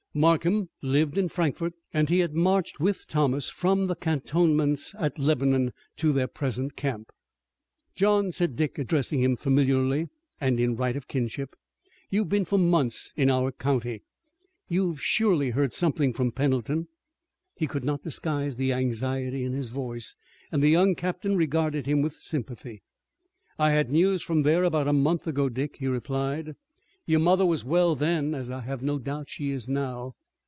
Markham lived in Frankfort and he had marched with Thomas from the cantonments at Lebanon to their present camp. "John," said Dick, addressing him familiarly and in right of kinship, "you've been for months in our own county. You've surely heard something from Pendleton?" He could not disguise the anxiety in his voice, and the young captain regarded him with sympathy. "I had news from there about a month ago, Dick," he replied. "Your mother was well then, as I have no doubt she is now.